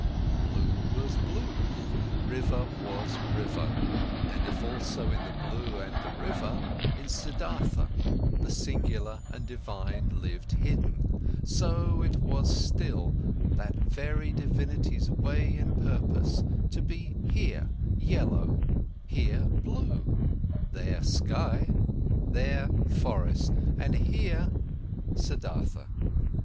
Blue was blue, river was river, and if also in the blue and the river, in Siddhartha, the singular and divine lived hidden, so it was still that very divinity's way and purpose, to be here yellow, here blue, there sky, there forest, and here Siddhartha.